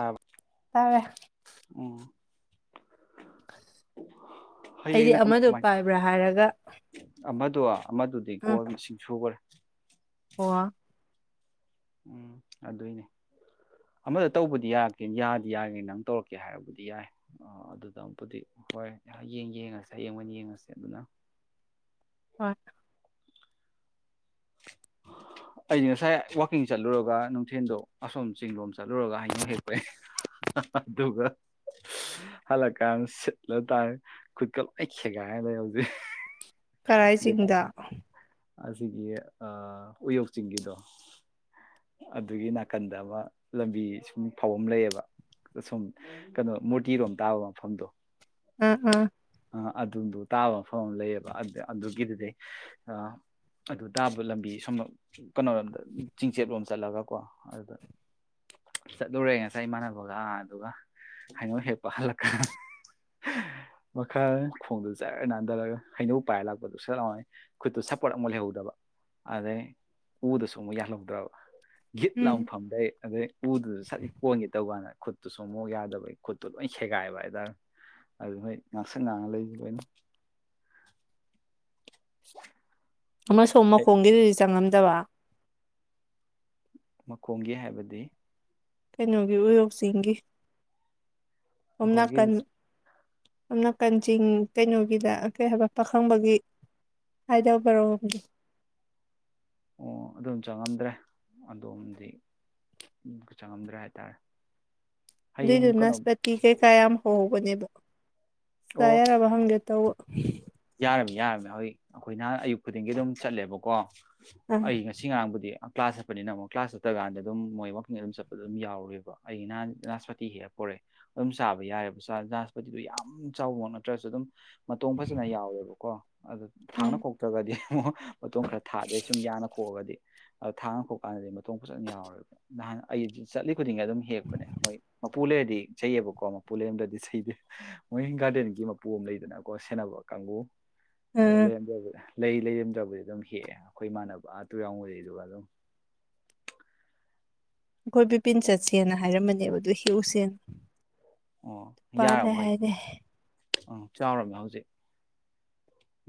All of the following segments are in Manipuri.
ꯑꯥ ꯇꯥꯔꯦ ꯑꯩꯗꯤ ꯍꯌꯦꯡꯅ ꯑꯃꯗꯨ ꯄꯥꯏꯕ꯭ꯔꯥ ꯍꯥꯏꯔꯒ ꯑꯃꯗꯨ ꯑꯃꯗꯨꯗꯤ ꯀꯣꯜ ꯃꯁꯤꯡ ꯁꯨꯈꯔꯦ ꯀ ꯎꯝ ꯑꯗꯨꯏꯅꯦ ꯑꯃꯗ ꯇꯧꯕꯗꯤ ꯌꯥꯔꯀꯦ ꯌꯥꯗꯤ ꯌꯥꯒꯦꯅꯤ ꯅꯪ ꯇꯧꯔꯛꯀꯦ ꯍꯥꯏꯔꯕꯨꯗꯤ ꯌꯥꯏ ꯑꯗꯨꯗ ꯑꯃꯨꯛꯄꯗꯤ ꯍꯣꯏ ꯍꯌꯦꯡ ꯌꯦꯡꯉꯁꯦ ꯍꯌꯦꯡ ꯑꯣꯏꯅ ꯌꯦꯡꯉꯁꯦ ꯑꯗꯨꯅ [unintelligible] ꯑꯩ ꯉꯁꯥꯏ ꯋꯥꯛꯀꯤꯡ ꯆꯠꯂꯨꯔꯒ ꯅꯨꯡꯊꯤꯟꯗꯣ ꯑꯁꯣꯝ ꯆꯤꯡꯂꯣꯝ ꯆꯠ ꯆꯠꯂꯨꯔꯒ ꯍꯩꯅꯧ ꯍꯦꯛꯄꯦ ꯑꯗꯨꯒ ꯍꯜꯂꯛꯀꯥꯟꯗ ꯁꯤꯠꯂ ꯇꯥꯔ ꯈꯨꯠꯀ ꯂꯣꯏ ꯈꯦꯒꯥꯏꯗ ꯍꯧꯖꯤꯛ ꯀꯔꯥꯏꯁꯤꯡꯗ ꯑꯁꯤꯒꯤ ꯑ ꯎꯌꯧ ꯀ ꯆꯤꯡꯒꯤꯗꯣ ꯑꯗꯨꯒꯤ ꯅꯥꯀꯟꯗꯕ ꯂꯝꯕꯤ ꯁꯨꯝ ꯐꯥꯎ ꯑꯃ ꯂꯩꯌꯦꯕ ꯁꯨꯝ ꯀꯩꯅꯣ ꯃꯨꯔꯇꯤꯔꯣꯝ ꯇꯥꯕ ꯃꯐꯝꯗꯣ ꯎ ꯎ ꯑꯗꯨꯗꯨꯣ ꯇꯥꯕ ꯃꯐꯝ ꯑꯃ ꯂꯩꯌꯦꯕ ꯑꯗꯨ ꯑꯗꯨꯒꯤꯗꯨꯗꯤꯩ ꯑꯗꯨ ꯇꯥꯕ ꯂꯝꯕꯤ ꯁꯨꯝ ꯀꯩꯅꯣꯔꯣꯝꯗ ꯆꯤꯡꯆꯦꯠꯂꯣꯝ ꯆꯠꯂꯒꯀꯣ ꯑꯗꯨꯗ ꯆꯠꯂꯨꯔꯦ ꯉꯁꯥꯏ ꯏꯃꯥꯟꯅꯕꯒ ꯑꯗꯨꯒ ꯍꯥꯏꯉꯣꯛ ꯍꯦꯛꯄ ꯍꯜꯂꯛꯀ ꯃꯈꯜ ꯈꯣꯡꯗꯨ ꯆꯖꯔꯒ ꯅꯥꯟꯊꯔꯒ ꯍꯩꯅꯧ ꯄꯥꯏꯔ ꯂꯥꯛꯄꯗꯨ ꯁꯠꯂꯅꯤ ꯈꯨꯠꯇꯨ ꯁꯞꯄꯣꯔꯠ ꯑꯃꯨꯛ ꯂꯩꯍꯧꯗꯕ ꯑꯗꯩ ꯎꯗꯁꯨ ꯑꯃꯨꯛ ꯌꯥꯜꯍꯧꯗ꯭ꯔꯕ ꯒꯤꯠ ꯎꯝ ꯂꯥꯡꯐꯝꯗꯒꯤꯩ ꯑꯗꯩ ꯎꯗꯨꯗꯁꯨ ꯁꯠꯤꯛ ꯀꯣꯟꯈꯤꯦ ꯇꯧ ꯀꯥꯟꯗ ꯈꯨꯠꯇꯨꯁꯨ ꯃꯣꯛ ꯌꯥꯗꯕꯩ ꯈꯨꯠꯇꯨ ꯂꯣꯏ ꯁꯦꯒꯥꯏꯕ ꯍꯥꯏꯇꯥꯔꯦ ꯑꯗꯨ ꯃꯣꯏ ꯉꯥꯛꯁꯪ ꯉꯥꯡꯉ ꯂꯩꯁ ꯂꯣꯏꯅ ꯑꯃꯁꯨꯡꯝ ꯃꯈꯣꯡꯒꯤꯗꯨꯗꯤ ꯆꯪꯉꯝꯗꯕ ꯃꯈꯣꯡꯒꯤ ꯍꯥꯏꯕꯗꯤ ꯀꯩꯅꯣꯒꯤ ꯎꯌꯣꯛꯁꯤꯡꯒꯤ ꯃꯈꯣꯡꯒꯤ ꯑꯝꯅꯥꯀꯟ ꯑꯅ ꯀꯟꯖꯤꯡ ꯀꯩꯅꯣꯒꯤꯗ ꯀꯩ ꯍꯥꯏꯕ ꯄꯥꯈꯪꯕꯒꯤ ꯍꯥꯏꯗꯕꯔꯣꯝꯒ ꯑꯣ ꯑꯗꯨꯝ ꯆꯪꯉꯝꯗ꯭ꯔꯦ ꯑꯗꯣꯝꯗꯤ ꯆꯪꯉꯝꯗ꯭ꯔꯦ ꯍꯥꯏ ꯇꯔꯦ ꯑꯗꯨꯗꯨ ꯅꯁꯄꯇꯤ ꯀꯩ ꯀꯌꯥꯝ ꯍꯧꯕꯅꯦꯕ ꯁ ꯑꯣ ꯌꯥꯔꯕ ꯍꯪꯒꯦ ꯇꯧꯧꯕ ꯌꯥꯔꯝꯃꯤ ꯌꯥꯔꯝꯃꯤ ꯑꯩꯣꯏ ꯑꯩꯈꯣꯏꯅꯍ ꯑꯌꯨꯛ ꯈꯨꯗꯤꯡꯒꯤ ꯑꯗꯨꯝ ꯆꯠꯂꯦꯕꯀꯣ ꯑꯥ ꯑꯩ ꯉꯁꯤ ꯉꯥꯡꯕꯨꯗꯤ ꯀ꯭ꯂꯥꯁ ꯆꯠꯄꯅꯤꯅ ꯑꯃꯨꯛ ꯀ꯭ꯂꯥꯁ ꯆꯠꯇꯀꯥꯟꯗ ꯑꯗꯨꯝ ꯃꯣꯏ ꯋꯀꯤꯡꯗ ꯑꯗꯨꯝ ꯆꯠꯄꯗ ꯑꯗꯨꯝ ꯌꯥꯎꯔꯦꯕ ꯑꯩꯒꯤꯍ ꯖꯅꯥꯁꯄꯇꯤ ꯍꯦꯛ ꯄꯣꯔꯛꯦ ꯑꯗꯨꯝ ꯆꯥꯕ ꯌꯥꯔꯦꯕ ꯖꯅꯥꯁꯄꯇꯤꯗꯨ ꯌꯥꯝ ꯆꯥꯎꯕ ꯅꯠꯇ꯭ꯔꯁꯨ ꯑꯗꯨꯝ ꯐꯖꯅ ꯌꯥꯎꯋꯦꯕꯀꯣ ꯑꯗꯨꯗꯣ ꯊꯥꯡꯅ ꯎꯝ ꯈꯣꯛꯇ꯭ꯔꯒꯗꯤ ꯑꯃꯨꯛ ꯃꯇꯣꯟ ꯈꯔ ꯊꯥꯗꯦ ꯁꯨꯝ ꯌꯥꯡꯅ ꯈꯣꯛꯑꯒꯗꯤ ꯑ ꯊꯥꯡ ꯈꯣꯛꯀꯥꯟꯗꯗꯤ ꯃꯇꯣꯡ ꯐꯖꯅ ꯌꯥꯎꯔꯦꯕ ꯅꯍꯥꯟ ꯑꯩ ꯆꯠꯂꯤ ꯈꯨꯗꯤꯡ ꯑꯗꯨꯝ ꯍꯦꯛꯄꯅꯦ ꯃꯣꯏ ꯃꯄꯨ ꯂꯩꯔꯗꯤ ꯆꯩꯩꯑꯕꯀꯣ ꯃꯄꯨ ꯂꯩꯔꯝꯗꯗꯤ ꯆꯩꯗꯦ ꯃꯣꯏ ꯒꯥꯔꯗꯦꯟꯒꯤ ꯃꯄꯨ ꯑꯃ ꯂꯩꯗꯅꯀꯣ ꯁꯦꯟꯅꯕ ꯀꯥꯡꯪꯕꯨꯨ ꯑꯗꯨꯂ ꯎꯝ ꯌꯦ ꯑꯗꯨꯦ ꯂꯩ ꯂꯩꯔꯝꯗ꯭ꯔꯕꯨꯗꯤ ꯑꯗꯨꯝ ꯍꯦꯛꯑꯦ ꯑꯩꯈꯣꯏ ꯏꯃꯥꯟꯅꯕ ꯑꯥꯇꯨ ꯌꯥꯎꯕꯗꯩꯗꯨꯒ ꯑꯗꯨꯝ ꯑꯩꯈꯣꯏ ꯕꯤꯄꯤꯤꯟ ꯆꯠꯁꯦꯅ ꯍꯥꯏꯔꯝꯕꯅꯦꯕ ꯑꯗꯨ ꯍꯦꯛꯎꯁꯦꯅ ꯄꯥꯂꯦ ꯍꯥꯏꯅꯦꯦ ꯎꯝ ꯆꯥꯎꯝꯃꯦ ꯍꯧꯖꯤꯛ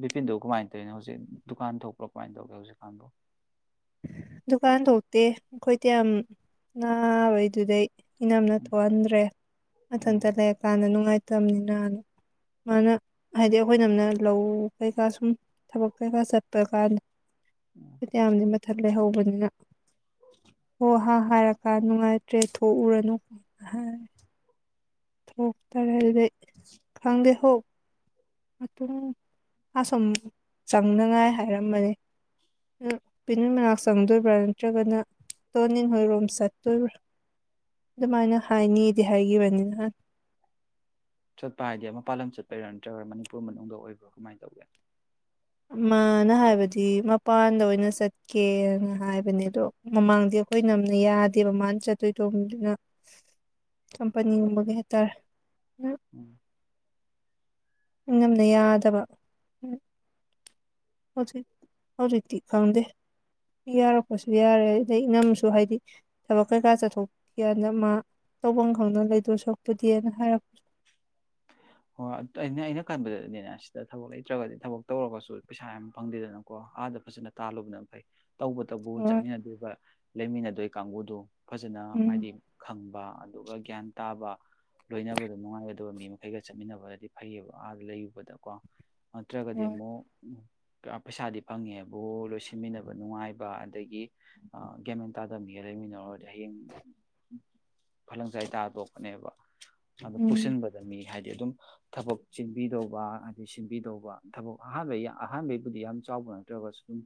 ꯕꯤꯄꯤꯟꯗꯣ ꯀꯃꯥꯏꯅ ꯇꯧꯔꯤꯅꯣ ꯍꯧꯖꯤꯛ ꯗꯨꯀꯥꯟ ꯊꯣꯛꯄ꯭ꯔꯣ ꯀꯃꯥꯏꯅ ꯇꯧꯒꯦ ꯍꯧꯖꯤꯛꯀꯥꯟꯕꯨ ꯗꯨꯀꯥꯟ ꯊꯣꯛꯇꯦ ꯑꯩꯈꯣꯏꯗꯤ ꯌꯥꯝ ꯅꯥꯕꯩ ꯑꯗꯨꯗꯩ ꯏꯅꯝꯅ ꯎꯝ ꯊꯣꯛꯍꯟꯗ꯭ꯔꯦ ꯃꯊꯟꯇ ꯂꯩꯔꯀꯥꯟꯗ ꯅꯨꯡꯉꯥꯏꯇ ꯅ ꯃꯥꯅ ꯍꯥꯏꯗꯤ ꯑꯩꯈꯣꯏꯅ ꯑꯃꯅ ꯂꯧ ꯀꯩꯀꯥ ꯁꯨꯝ ꯊꯕꯛ ꯀꯩꯀꯥ ꯆꯠꯄ ꯀꯥꯟꯗ ꯎꯝ ꯐꯗꯤꯗꯤ ꯃ ꯍꯧꯕꯅꯤꯅ ꯍ ꯑꯍ ꯍꯥꯏꯔꯀꯥꯟ ꯅꯨꯡꯉꯥꯏꯇ꯭ꯔꯦ ꯊꯣꯛꯎꯔꯅꯨ ꯍꯥꯏ ꯊꯣꯛ ꯇꯔ ꯂꯩ ꯈꯪꯗꯦ ꯍ ꯃꯇꯨꯡ ꯑꯁꯨꯝ ꯆꯪꯅꯉꯥꯏ ꯍꯥꯏꯔꯝꯕꯅꯤ ꯄꯅꯨ ꯃꯅꯥꯛ ꯆꯪꯗꯣꯏꯕ꯭ꯔꯥ ꯅꯠꯇ꯭ꯔꯒꯅ ꯇꯣꯟ ꯍꯣꯏꯔꯣꯝ ꯆꯠꯇꯣꯏꯕ꯭ꯔꯥ ꯑꯗꯨꯃꯥꯏꯅ ꯍꯥꯏꯅꯤꯗꯤ ꯍꯥꯏꯈꯤꯕꯅꯤ ꯅꯍꯥꯟ ꯆꯠꯄ ꯍꯥꯏꯗꯤ ꯃꯄꯥꯥꯟ ꯂꯝ ꯆꯠꯄꯩꯔꯥ ꯅꯠꯇ꯭ꯔꯒꯔ ꯃꯅꯤꯄꯨꯔ ꯃꯅꯨꯡꯗ ꯑꯣꯏꯕ꯭ꯔꯥ ꯀꯃꯥꯏꯅ ꯇꯧꯒꯦ ꯑꯃꯅ ꯍꯥꯏꯕꯗꯤ ꯃꯄꯥꯟꯗ ꯑꯣꯏꯅ ꯆꯠꯀꯦꯅ ꯍꯥꯏꯕꯅꯦ ꯑꯗꯣ ꯃꯃꯥꯡꯗꯤ ꯑꯩꯈꯣꯏ ꯅꯝꯅ ꯌꯥꯗꯦꯕ ꯃꯥꯅ ꯆꯠꯇꯣꯏꯗꯣꯗꯨꯅ ꯀꯝꯄꯅꯤꯒꯨꯝꯕꯒꯤꯩ ꯍꯥꯏꯇꯥꯔꯦ ꯎꯝ ꯝꯅ ꯌꯥꯗꯕ ꯍꯧꯖꯤꯛ ꯍꯧꯖꯤꯛꯇꯤ ꯈꯪꯗꯦ ꯌꯥꯔꯛꯄꯁꯨ ꯌꯥꯔꯦ ꯑꯗꯩ ꯏꯉꯝꯁꯨ ꯍꯥꯏꯗꯤ ꯊꯕꯛ ꯀꯩꯀꯥ ꯆꯠꯊꯣꯛꯀꯦꯗ ꯃꯥ ꯇꯐꯝ ꯈꯪꯗꯅ ꯂꯩꯗꯣꯏ ꯁꯣꯛꯄꯗꯤꯅ ꯍꯥꯏꯔꯛꯄꯁꯨ ꯍꯣꯏ ꯑꯩꯅ ꯑꯩꯅ ꯈꯟꯕꯗꯗꯤꯅꯦꯅꯦ ꯁꯤꯗ ꯊꯕꯛ ꯂꯩꯇ꯭ꯔꯒꯗꯤ ꯊꯕꯛ ꯇꯧꯔꯒꯁꯨ ꯄꯩꯁꯥ ꯌꯥꯝ ꯐꯪꯗꯦꯗꯅꯀꯣ ꯑꯥꯗ ꯐꯖꯅ ꯇꯥꯜꯂꯨꯕꯅ ꯐꯩ ꯇꯧꯕꯇꯕꯨ ꯍꯣꯏ ꯆꯠꯃꯤꯟꯅꯗꯕ ꯂꯩꯃꯤꯟꯅꯗ ꯀ ꯀꯥꯡꯨꯗꯣ ꯐꯖꯅ ꯎꯝ ꯍꯥꯏꯗꯤ ꯈꯪꯕ ꯑꯗꯨꯒ ꯒ꯭ꯌꯥꯟ ꯇꯥꯕ ꯂꯣꯏꯅꯕꯗ ꯅꯨꯡꯉꯥꯏꯒꯗꯕ ꯃꯤ ꯃꯈꯩꯒ ꯆꯠꯃꯤꯟꯅꯕꯗꯤ ꯐꯩꯌꯦꯕ ꯑꯥꯗ ꯂꯩꯔꯨꯕꯗꯀꯣ ꯅꯠꯇ꯭ꯔꯒꯗꯤ ꯍꯣꯏ ꯑꯃꯨꯛ ꯄꯩꯁꯥꯗꯤ ꯐꯪꯉꯦꯕꯨ ꯂꯣꯏꯁꯤꯟꯃꯤꯟꯅꯕ ꯅꯨꯡꯉꯥꯏꯕ ꯑꯗꯒꯤ ꯒꯦꯃꯦꯟ ꯇꯥꯗꯕꯤꯒ ꯂꯩꯃꯤꯟꯅꯔꯨꯔꯗꯤ ꯍꯌꯦꯡ ꯐꯂꯪ ꯆꯥꯏ ꯇꯥꯗꯣꯛꯄꯅꯦꯕ ꯑꯗꯨ ꯎꯝ ꯄꯨꯁꯤꯟꯕꯗ ꯃꯤ ꯑꯗꯨꯝ ꯊꯕꯛ ꯆꯤꯟꯕꯤꯗꯧꯕ ꯑꯗꯩ ꯁꯤꯟꯕꯤꯗꯧꯕ ꯊꯕꯛ ꯑꯍꯥꯟꯕꯩ ꯑꯍꯥꯟꯕꯩꯕꯨꯗꯤ ꯌꯥꯝ ꯆꯥꯎꯕ ꯅꯠꯇ꯭ꯔꯒꯁꯨ ꯑꯗꯨꯝ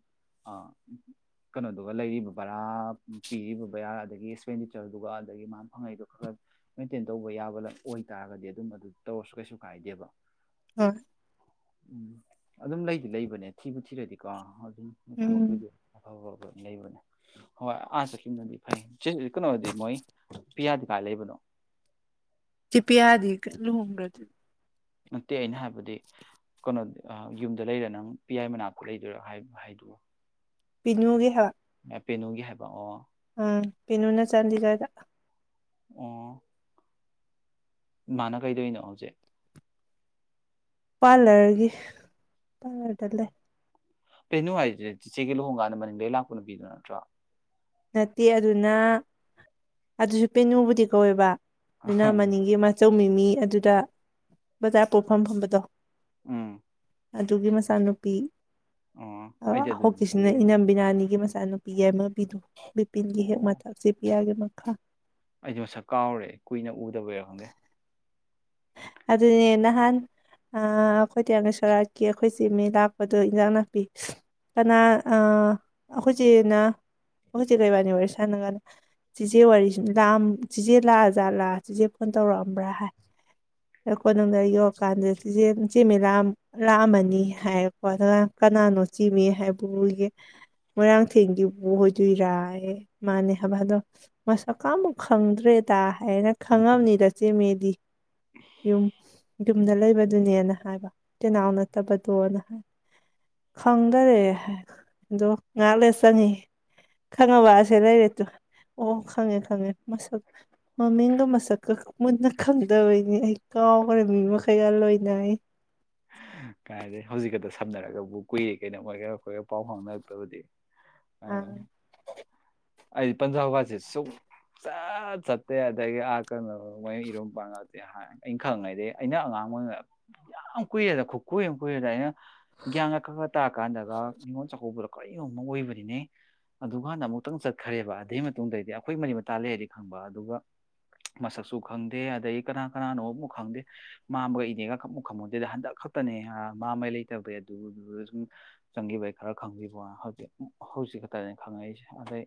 ꯀꯩꯅꯣꯗꯨꯒ ꯂꯩꯔꯤꯕ ꯕꯔꯥ ꯄꯤꯔꯤꯕ ꯕꯔꯥ ꯑꯗꯒꯤ ꯑꯦꯛꯁꯄꯦꯟꯗꯤꯆꯔꯗꯨꯒ ꯑꯗꯒꯤ ꯃꯥꯅ ꯐꯪꯉꯛꯏꯗꯨꯣ ꯈꯔ ꯈꯔ ꯃꯦꯟꯇꯦꯟ ꯇꯧꯕ ꯌꯥꯕ ꯑꯣꯏꯇꯥꯥꯔꯒꯗꯤ ꯑꯗꯨꯝ ꯑꯗꯨ ꯇꯧꯔꯁꯨ ꯀꯩꯁꯨ ꯀꯥꯏꯗꯦꯕ ꯑ ꯎꯝ ꯑꯗꯨꯝ ꯂꯩꯗꯤ ꯂꯩꯕꯅꯦ ꯊꯤꯕꯨ ꯊꯤꯔꯗꯤꯀꯣ ꯑꯗꯨꯝ ꯎꯝ ꯊꯕꯛꯇꯨꯗꯤ ꯑꯐ ꯑꯐꯕ ꯂꯩꯕꯅꯦ ꯍꯣꯏ ꯑꯥ ꯆꯀꯤꯅꯗꯤ ꯐꯩ ꯀꯩꯅꯣꯗꯤ ꯃꯣꯏ ꯄꯤꯌꯥꯗꯤ ꯀꯥꯏ ꯂꯩꯕꯅꯣ ꯆ ꯄ ꯌꯥꯗꯤ ꯀ ꯂꯨꯍꯣꯡꯒ꯭ꯔꯗꯤ ꯅꯠꯇꯦ ꯑꯩꯅ ꯍꯥꯏꯕꯗꯤ ꯀꯩꯅꯣ ꯌꯨꯝꯗ ꯂꯩꯔ ꯅꯪ ꯄꯤꯌꯥꯏ ꯃꯅꯥꯛꯄ ꯂꯩꯗꯣꯏꯔꯥ ꯍꯥꯏꯗꯑꯣ ꯄꯤꯅꯨꯒꯦ ꯍꯥꯏ ꯑꯦꯄꯦꯅꯣꯒꯤ ꯍꯥꯏꯕ ꯑꯣ ꯑꯝ ꯄꯅ ꯎꯅ ꯆꯥꯟꯗꯤꯒꯗ ꯑꯣ ꯃꯥꯅ ꯀꯩꯗꯣꯏꯅꯣ ꯍꯧꯖꯤꯛ ꯄꯥꯔꯂꯔꯒꯤ ꯄꯥꯔꯂꯔꯗ ꯂꯩ ꯀꯦꯩꯅꯅꯨꯡ ꯍꯥꯏꯗꯨ꯭ꯔꯦ ꯆꯤꯆꯦꯒꯤ ꯂꯨꯍꯣꯡ ꯀꯥꯟꯗ ꯃꯅꯤꯡꯗ ꯂꯥꯛꯄ ꯅꯨ ꯄꯕꯤꯗꯨ ꯅꯠꯇ꯭ꯔꯥ ꯅꯠꯇꯦ ꯑꯗꯨꯅ ꯑꯗꯨꯁꯨ ꯄꯦꯅꯨꯕꯨꯗꯤ ꯀꯧꯋꯦꯕ ꯅꯅꯥꯃꯅꯤꯡꯒꯤ ꯃ ꯑꯆꯧꯃꯤ ꯃꯤ ꯑꯗꯨꯗ ꯕꯖꯥꯔ ꯄꯣꯛꯐꯝ ꯐꯝꯕꯗꯣ ꯎꯝ ꯑꯗꯨꯒꯤ ꯃꯆꯥꯅꯨꯄꯤ ꯑꯣ ꯑꯩꯗꯤ ꯑꯗꯨꯗꯤ ꯍꯧꯖꯤꯀꯤꯁꯤꯅ ꯈꯜꯂꯨꯏꯅꯦ ꯏꯅꯝꯕꯤꯅꯥꯅꯤꯒꯤꯁ ꯏꯁꯆꯥ ꯅꯨꯄꯤ ꯑꯦꯝ ꯑꯃ ꯄꯤꯗꯣ ꯕꯤꯄꯤꯟꯒꯤ ꯍꯦꯛ ꯑꯣ ꯃꯊꯛꯁꯤꯦ ꯄꯤꯌꯥꯒꯤ [inaudible] ꯑꯩꯗꯤ ꯃꯁꯛ ꯀꯥꯎꯔꯦ ꯀꯨꯏꯅ ꯎꯗꯕꯩꯔ ꯈꯪꯗꯦ ꯑꯗꯨꯅꯦ ꯅꯍꯥꯟ ꯑꯩꯈꯣꯏ ꯇꯤꯌꯥꯡꯒꯁꯣꯔꯥꯠꯀꯤ ꯑꯩꯈꯣꯏ ꯆꯦ ꯃꯤ ꯂꯥꯛꯄꯗꯣ ꯏꯟꯖꯥꯡ ꯅꯥꯄꯤ ꯀꯅꯥ ꯑꯩꯈꯣꯏꯆꯦꯅ ꯑꯩꯈꯣꯏꯆꯦ ꯀꯩꯕꯥꯅꯤ ꯋꯥꯔꯤ ꯁꯥꯟꯅꯒꯅ ꯆꯦꯆꯦ ꯋꯥꯔꯤ ꯆꯦꯆꯦ ꯂꯥꯛꯑꯖꯥꯠꯂ ꯆꯦꯆꯦ ꯐꯣꯟ ꯇꯧꯔꯛꯑꯝꯕ꯭ꯔꯥ ꯍꯥꯏ ꯀꯣꯅꯨꯡꯗ ꯌꯧꯔꯀꯥꯟꯗ ꯆꯦꯆꯦ ꯆꯦꯃꯦꯑ ꯂꯥꯛꯑꯝꯃꯅꯤ ꯍꯥꯏꯔꯀꯣ ꯑꯗꯨꯒ ꯀꯅꯥꯅꯣ ꯆꯦꯃꯤ ꯍꯥꯏꯕꯒꯤ ꯃꯣꯏꯔꯥꯡꯊꯦꯝꯒꯤꯕꯨ ꯑꯣꯏꯗꯣꯏꯔ ꯃꯥꯅꯦ ꯍꯥꯏꯕ ꯑꯗꯣ ꯃꯁꯛꯀꯥꯃꯨꯛ ꯈꯪꯗ꯭ꯔꯦꯗ ꯍꯥꯏꯅ ꯈꯪꯉꯝꯅꯤꯗ ꯆꯦꯃꯦꯗꯤ ꯌꯨꯝ ꯌꯨꯝ ꯟꯅ ꯂꯩꯕꯗꯨꯅꯦꯅ ꯍꯥꯏꯕ ꯇꯤꯅꯥꯎ ꯅꯠꯇꯕꯗꯣꯅ ꯍꯥꯏ ꯈꯪꯗꯔꯦ ꯍꯥꯏ ꯑꯗꯣ ꯉꯥꯛꯂꯦ ꯆꯪꯉꯤ ꯈꯪꯉꯕꯁꯦ ꯂꯩꯔꯦꯗꯣ ꯑꯣ ꯈꯪꯉꯦ ꯈꯪꯉꯦ ꯃꯁꯛ ꯃꯃꯤꯡꯒ ꯃꯁꯛꯀ ꯃꯨꯟꯅ ꯈꯪꯉꯦ ꯇꯣꯏꯅꯤ ꯑꯩ ꯀꯥꯎꯈ꯭ꯔꯦ ꯃꯤ ꯃꯈꯩꯒ ꯂꯣꯏꯅ ꯑꯩ ꯀꯥꯏꯗꯦ ꯍꯧꯖꯤꯛꯀꯛꯇ ꯁꯝꯅꯔꯒꯕꯨ ꯀꯨꯏꯦ ꯀꯩꯅꯣ ꯑꯣꯏꯣꯏꯒꯔ ꯀꯈꯣꯏꯔ ꯄꯥꯎ ꯐꯥꯎꯅꯔꯛꯇꯕꯗꯤ ꯑ ꯑꯥ ꯑꯩꯗꯤ ꯄꯟꯖꯥꯄꯥꯠꯁꯦ ꯁꯨꯛꯆꯠ ꯆꯠꯇꯦ ꯑꯗꯒꯤ ꯑꯥ ꯀꯩꯅꯣ ꯃꯣꯏ ꯏꯔꯣꯝ ꯄꯥ ꯑꯩꯅ ꯈꯪꯉꯩꯗꯤ ꯑꯩꯅ ꯑꯉꯥꯡ ꯑꯣꯏꯉꯗ ꯌꯥꯝ ꯀꯨꯏꯔꯦꯅ ꯀꯨꯏꯔꯨ ꯀꯨꯏꯔꯦꯗ ꯑꯩꯅ ꯒ꯭ꯌꯥꯟꯒꯥ ꯈꯛꯒ ꯇꯥꯔ ꯀꯥꯟꯗꯒ ꯅꯤꯡꯉꯣꯜ ꯆꯥꯛꯀꯧꯕꯗꯣ ꯀꯔꯤꯒꯨꯝꯕ ꯑꯣꯏꯕꯅꯤꯅꯦ ꯑꯗꯨꯀꯥꯟꯗ ꯑꯃꯨꯛꯇꯪ ꯆꯠꯈ꯭ꯔꯦꯕ ꯑꯗꯨꯒꯤ ꯃꯇꯨꯡꯗꯩꯗꯤ ꯑꯩꯈꯣꯏ ꯃꯔꯤ ꯃꯇꯥ ꯂꯩꯔꯗꯤ ꯈꯪꯕ ꯑꯗꯨꯒ ꯃꯁꯛꯁꯨ ꯈꯪꯗꯦ ꯑꯗꯒꯤ ꯀꯅꯥ ꯀꯅꯥꯅꯣ ꯑꯃꯨꯛ ꯈꯪꯗꯦ ꯃꯝꯃꯒ ꯏꯅꯦꯒ ꯈꯛ ꯑꯃꯨꯛ ꯈꯪꯍꯧꯗꯦꯗ ꯍꯟꯗꯛ ꯈꯛꯇꯅꯦ ꯃꯥ ꯃꯩ ꯂꯩꯇꯕꯩ ꯑꯗꯨꯗꯨ ꯁꯨꯝ ꯆꯪꯈꯤꯕꯩ ꯈꯔ ꯈꯪꯈꯤꯕ ꯍꯧꯖꯤꯛ ꯍꯧꯖꯤꯛ ꯈꯛꯇ ꯈꯪꯉꯛꯏꯁꯦ ꯑꯗꯩ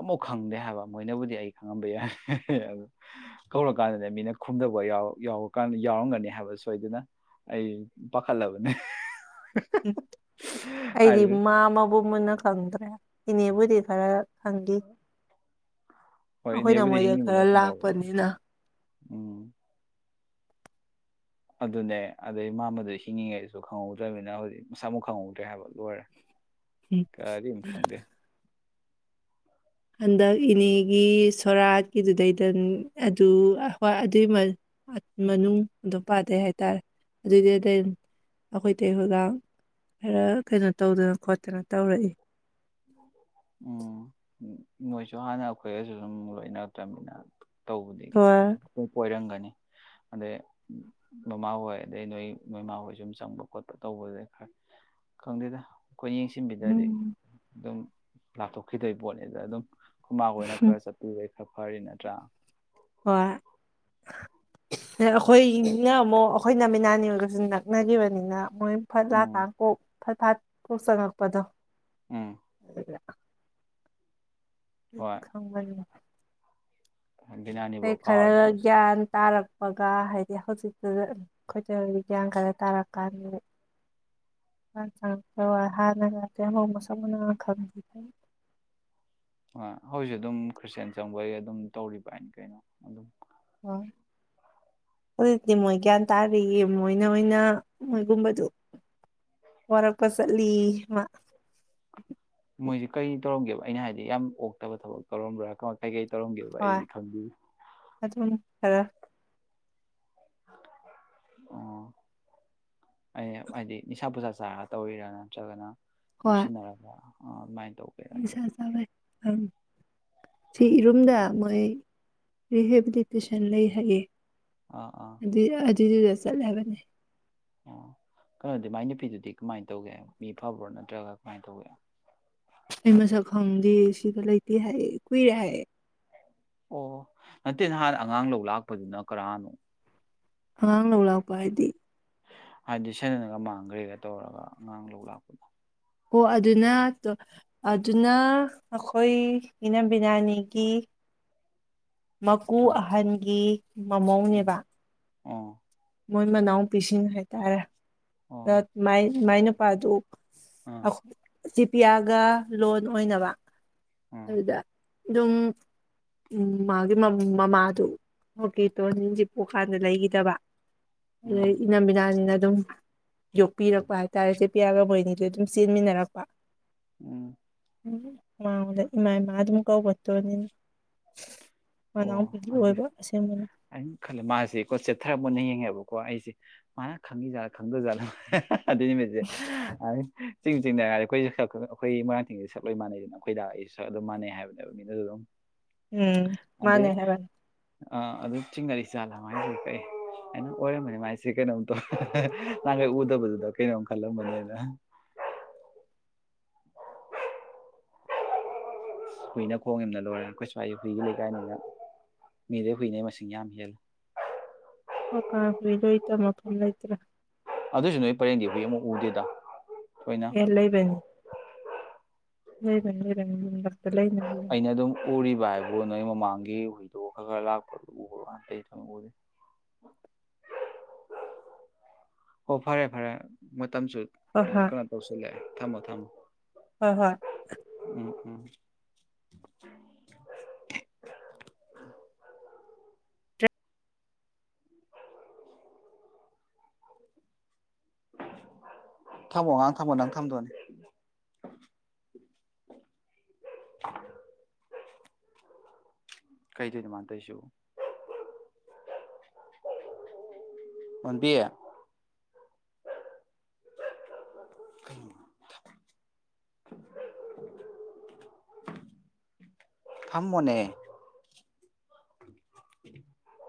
ꯑꯃꯨꯛ ꯈꯪꯗꯦ ꯍꯥꯏꯕ ꯃꯣꯏꯅꯕꯨꯗꯤ ꯑꯩ ꯈꯪꯉꯝꯕ ꯌꯥꯏꯦ ꯀꯧꯔꯀꯥꯟꯗ ꯃꯤꯅ ꯈꯨꯝꯗꯕ ꯌꯥꯎꯕꯀꯥꯟꯗ ꯌꯥꯎꯔꯝꯒꯅꯤ ꯍꯥꯏꯕꯁꯨꯣꯏꯗꯅ ꯑꯩ ꯄꯈꯜꯂꯕꯅꯦ ꯎ ꯑꯩꯗꯤ ꯃꯥ ꯑꯃꯕꯨ ꯃꯨꯟꯅ ꯈꯪꯗ꯭ꯔꯦ ꯏꯅꯦꯕꯨꯗꯤꯦ ꯈꯔ ꯐꯪꯒꯤꯦ ꯍꯣꯏ ꯑꯩꯈꯣꯏꯅ ꯏꯅꯦꯕꯨꯗꯤ ꯃꯣꯏꯗ ꯈꯔ ꯍꯤꯡꯉꯤꯕꯅ ꯈꯪꯍꯧꯕꯅꯤ ꯂꯥꯛꯄꯅꯤꯅ ꯎꯝ ꯑꯗꯨꯅꯦ ꯑꯗꯩ ꯃꯥꯃꯗꯨ ꯍꯤꯡꯉꯤꯉꯩꯗꯨꯁꯨ ꯈꯪꯍꯧꯗ꯭ꯔꯃꯤꯅꯤꯅ ꯍꯧꯖꯤꯛ ꯃꯁꯥꯃꯨꯛ ꯈꯪꯍꯧꯗ꯭ꯔꯦ ꯍꯥꯏꯕ ꯂꯣꯏꯔꯦ ꯎꯝ ꯀꯔꯤꯝ ꯈꯪꯗꯦ ꯍꯟꯗꯛ ꯏꯅꯦꯒꯤ ꯁꯣꯔꯥꯠꯀꯤꯗꯨꯗꯩꯗ ꯑꯗꯨ ꯍ ꯑꯗꯨꯒꯤ ꯃꯅꯨꯡ ꯑꯗꯨ ꯄꯥꯗꯩ ꯍꯥꯏꯇꯥꯔꯦ ꯑꯗꯨꯏꯗꯨꯩꯗ ꯑꯩꯈꯣꯏꯇꯩꯩ ꯍꯣꯏꯒ ꯈꯔ ꯀꯩꯅꯣ ꯇꯧꯗꯅ ꯈꯣꯠꯇꯅ ꯇꯧꯔꯛꯏ ꯎꯝ ꯃꯣꯏꯁꯨ ꯍꯥꯟꯅ ꯑꯩꯈꯣꯏꯒꯁꯨ ꯑꯗꯨꯝ ꯂꯣꯏꯅꯔꯛꯇꯕꯅꯤꯅ ꯇꯧꯕꯗꯤꯣꯏ ꯍꯣꯏ ꯀꯣꯏꯔꯝꯒꯅꯤ ꯑꯗꯩ ꯃꯃꯥ ꯍꯣꯏ ꯑꯗꯩ ꯅꯣꯏ ꯃꯣꯏꯃꯥ ꯍꯣꯏ ꯁꯨꯝ ꯆꯪꯕ ꯈꯣꯠꯄ ꯇꯧꯕꯗꯨꯩ ꯈꯔ ꯈꯪꯗꯦꯗ ꯑꯩꯈꯣꯏ ꯌꯦꯡꯁꯤꯟꯕꯤꯗ꯭ꯔꯗꯤ ꯎꯝ ꯑꯗꯨꯝ ꯂꯥꯊꯣꯛꯈꯤꯗꯣꯏ ꯄꯣꯠꯅꯤꯗ ꯑꯗꯨꯝ ꯈꯨꯃꯥꯡ ꯑꯣꯏꯅ ꯈꯔ ꯆꯠꯄꯨꯔꯦ ꯈ ꯐꯔꯤ ꯅꯠꯇ꯭ꯔꯥ ꯍꯣꯏ ꯑꯩꯈꯣꯏꯅ ꯑꯃꯨꯛ ꯑꯩꯈꯣꯏꯅꯃꯤꯅꯥꯅꯤ ꯑꯣꯏꯒꯁꯨ ꯅꯛꯅꯈꯤꯕꯅꯤꯅ ꯃꯣꯏ ꯐꯖꯥ ꯎꯝ ꯀꯥꯡꯈꯣꯛ ꯐꯠ ꯐꯥꯠ ꯀꯣꯛ ꯆꯉꯛꯄꯗꯣ ꯑꯗꯨ ꯎꯝ ꯍꯣꯏ ꯎ ꯈꯪꯕꯅꯤ ꯑꯩꯣꯏ ꯗꯤꯅꯥꯅꯤꯐꯥꯎ ꯀꯥꯎꯔꯗꯤ ꯈꯔ ꯃꯣꯏꯁꯨ ꯒ꯭ꯌꯥꯟ ꯇꯥꯔꯛ ꯍꯥꯄꯒ ꯍꯥꯏꯗꯤ ꯍꯧꯖꯤꯛꯇꯨꯗ ꯑꯩꯈꯣꯏꯗ ꯒ꯭ꯌꯥꯟ ꯀꯥꯏꯔ ꯇꯥꯔꯀꯥꯟꯗꯥꯡ ꯍꯥꯟꯅ ꯉꯥꯛꯇꯍꯣꯡꯕ ꯁꯛꯅ ꯉ ꯈꯪꯗꯤꯩ ꯑ ꯍꯧꯖꯤꯛ ꯑꯗꯨꯝ ꯈ꯭ꯔꯤꯁꯇꯦꯟ ꯆꯪꯕꯒꯤ ꯑꯗꯨꯝ ꯇꯧꯔꯤꯕ ꯍꯥꯏꯅ ꯀꯩꯅꯣ ꯑꯗꯨꯝ ꯍꯧꯖꯤꯛꯇꯤ ꯃꯣꯏ ꯒ꯭ꯌꯥꯟ ꯇꯥꯔꯤꯌꯦ ꯃꯣꯏꯅꯅ ꯃꯣꯏꯒꯨꯝꯕꯗꯨ ꯋꯥꯔꯛꯄ ꯆꯠꯂꯤ ꯃꯣꯏꯁꯦ ꯀꯔꯤ ꯇꯧꯔꯝꯒꯦꯕ ꯑꯩꯅ ꯍꯥꯏꯗꯤ ꯌꯥꯝ ꯑꯣꯛꯇꯕ ꯊꯕꯛ ꯇꯧꯔꯝꯕ꯭ꯔꯥ ꯀ ꯀꯩꯀꯩ ꯇꯧꯔꯝꯒꯦꯕ ꯍꯣꯏ ꯑꯩꯗꯤ ꯈꯪꯗꯦ ꯑꯗꯨꯝ ꯈꯔ ꯑꯣ ꯑꯦ ꯍꯥꯏꯗꯤꯅꯤꯁꯥ ꯄꯨꯖꯥꯁꯤꯦ ꯥ ꯇꯧꯔꯤꯔꯥ ꯅꯠꯇ꯭ꯔꯒꯅ ꯑꯣ ꯍꯣꯏ ꯁꯤꯅꯔꯕ꯭ꯔ ꯑꯣ ꯥꯏ ꯅꯤꯁꯥ ꯆꯥꯎꯋꯦ ꯑꯪ ꯁꯤ ꯑꯣ ꯏꯔꯨꯝꯗ ꯃꯣꯏ ꯔꯤ ꯍꯥꯏꯦꯕꯗꯤ ꯇꯨꯏꯁꯟ ꯂꯩ ꯍꯥꯏꯌꯦ ꯑꯥ ꯑꯥ ꯁꯤꯗꯤꯗ ꯆꯠꯂꯦ ꯍꯥꯏꯕꯅꯦ ꯑꯣ ꯀꯩꯅꯣꯗꯤ ꯃꯥꯏ ꯅꯨꯄꯤꯗꯨꯗꯤ ꯀꯃꯥꯏꯅ ꯇꯧꯒꯦ ꯃꯤ ꯐꯕ꯭ꯔꯣ ꯅꯠꯇ꯭ꯔꯒ ꯀꯃꯥꯏꯅ ꯇꯧꯒꯦ ꯑꯩ ꯃꯁꯛ ꯈꯪꯗꯦ ꯁꯤꯗ ꯂꯩꯇꯦ ꯍꯥꯏꯌꯦ ꯀꯨꯏꯔꯦ ꯍꯥꯏꯌꯦ ꯑꯣ ꯅꯠꯇꯦ ꯅꯍꯥꯟ ꯑꯉꯥꯡ ꯂꯧ ꯂꯥꯛꯄꯗꯨꯅ ꯀꯔꯅꯣ ꯑꯉꯥꯡ ꯂꯧ ꯂꯥꯛꯄ ꯍꯥꯏꯗꯤ ꯍꯥꯏꯗꯤ ꯁꯅꯅꯒ ꯃꯥꯡꯈ꯭ꯔꯦꯒ ꯇꯧꯔꯒ ꯑꯉꯥꯡ ꯂꯧ ꯂꯥꯛꯄꯗꯣ ꯍꯣ ꯑꯗꯨꯅ ꯑꯗꯨꯅ ꯑꯩꯈꯣꯏ ꯏꯅꯝꯕꯤꯅꯥꯅꯤꯒꯤ ꯃꯀꯨ ꯑꯪ ꯑꯍꯟꯒꯤ ꯎꯝ ꯃꯃꯧꯅꯦꯕ ꯑꯣ ꯃꯣꯏ ꯃꯅꯥꯎꯄꯤꯁꯤꯡ ꯍꯥꯏꯇꯥꯔꯦ ꯑꯣ ꯃꯥꯏ ꯃꯥꯏ ꯅꯨꯄꯥ ꯑꯗꯨ ꯑꯥ ꯁꯤꯖꯤ ꯄꯤ ꯑꯥꯒ ꯂꯣꯟ ꯑꯣꯏꯅꯕ ꯑꯥ ꯑꯗꯨꯗ ꯑꯗꯨꯝ ꯎꯝ ꯃꯥꯒꯤ ꯃꯃꯥꯗꯨ ꯃꯒꯤꯦ ꯇꯣꯔꯅꯤꯟꯁꯤ ꯄꯣꯛꯀꯥꯟꯗ ꯂꯩꯈꯤꯗꯕ ꯑꯗꯩ ꯎꯝ ꯏꯅꯝꯕꯤꯅꯥꯅꯤꯅ ꯑꯗꯨꯝ ꯌꯣꯛꯄꯤꯔꯛꯄ ꯍꯥꯏꯇꯥꯔꯦꯁꯦ ꯄꯌꯥꯒ ꯃꯣꯏꯅꯤꯗ ꯑꯗꯨꯝ ꯆꯦꯟꯃꯤꯟꯅꯔꯛꯄ ꯎꯝ ꯎ ꯃꯥ ꯂꯩ ꯏꯃꯥ ꯏꯃ ꯑꯗꯨꯗ ꯃꯨꯀꯕꯠꯇꯅꯤꯅ ꯑꯣ ꯑꯗꯨ ꯑꯩꯅ ꯈꯜꯂꯦ ꯃꯥꯁꯤꯀꯣ ꯆꯦꯠꯊꯔ ꯃꯟꯅ ꯌꯦꯡꯉꯦꯕꯀꯣ ꯀꯣ ꯑꯩꯁꯦ ꯃꯥꯅ ꯈꯪꯉꯤꯖꯥꯠꯂ ꯈꯪꯗꯖꯥꯠ ꯑꯗꯨ ꯑꯗꯨꯅꯤ ꯃꯁꯦ ꯆꯤꯡ ꯆꯤꯡꯗ ꯍꯥꯏꯔꯗꯤ ꯑꯩꯈꯣꯏꯁꯨ ꯑꯩꯈꯣꯏꯔꯥꯡ ꯊꯤꯡꯁꯤꯦ ꯁꯛ ꯂꯣꯏ ꯃꯥꯟꯅꯩꯗꯅ ꯑꯩꯈꯣꯏ ꯂꯥꯛ ꯑꯩꯁꯨ ꯁ ꯑꯗꯨꯝ ꯃꯥꯟꯅꯩ ꯍꯥꯏꯕꯅꯦꯕ ꯃꯤꯅꯁꯨ ꯑꯗꯨꯝ ꯎꯝ ꯃꯥꯅꯦ ꯍꯥꯏꯦꯕꯅꯤ ꯑꯥ ꯑꯗꯨꯝ ꯆꯤꯡꯅꯔꯤ ꯆꯥꯂ ꯑꯗꯨꯃꯥꯏꯅꯁꯨ ꯀꯛꯩ ꯑꯩꯅ ꯑꯣꯏꯔꯝꯕꯅꯤ ꯃꯥꯏꯁꯦ ꯀꯩꯅꯣꯝ ꯇꯧ ꯅꯅꯥꯈꯩ ꯎꯗꯕꯗꯨꯗ ꯀꯩꯅꯣꯝ ꯈꯜꯂꯝꯕꯅꯦꯅ [unintelligible] ꯍꯨꯏꯅ ꯈꯣꯡ ꯌꯥꯝꯅ ꯂꯣꯏꯔꯦ ꯀꯩꯁꯨꯋꯥꯏ ꯍꯨꯏꯒꯤ ꯂꯩꯀꯥꯏꯅꯤꯅ ꯃꯤꯗꯩ ꯍꯨꯏꯅꯩ ꯃꯁꯤꯡ ꯌꯥꯝ ꯍꯦꯜꯂꯦ ꯑꯣ ꯀ ꯐꯣꯏ ꯂꯣꯏ ꯇ ꯃ ꯐ ꯂꯩꯇ꯭ꯔꯥ ꯑꯗꯨꯁꯨ ꯅꯣꯏ ꯄꯔꯦꯡꯗꯤ ꯑꯩꯣꯏ ꯑꯃꯨꯛ ꯎꯗꯦꯗ ꯊꯣꯏꯅ ꯑꯦꯂꯕꯦꯟ ꯂꯩꯕꯕꯅꯤ ꯑꯩꯅ ꯑꯗꯨꯝ ꯎꯔꯤꯕ ꯍꯥꯏꯕꯣ ꯅꯣꯏ ꯃꯃꯥꯡꯒꯤ ꯍꯣꯏꯗ ꯈ ꯈꯔ ꯂꯥꯛꯄꯇꯗꯤ ꯑꯣ ꯐꯔꯦ ꯐꯔꯦ ꯃꯇꯝꯁꯨ ꯍꯣꯏ ꯍꯣꯏ ꯀꯩꯅꯣ ꯇꯧꯁꯤꯜꯂꯛꯑꯦ ꯊꯝꯃꯣ ꯊꯝꯃꯣ ꯍꯣꯏ ꯍꯣꯏ ꯎꯝ ꯎꯝ ꯊꯝꯃꯣ ꯉꯥꯛ ꯊꯝꯃꯣ ꯅꯪ ꯊꯝꯗꯣꯅꯦ [unintelligible] ꯀꯩ ꯗꯩꯅꯣ ꯃ ꯇꯩꯁꯤꯕꯣ ꯄꯣꯜꯕꯤ [unintelligible] ꯊꯝꯃꯣꯅꯦ [unintelligible]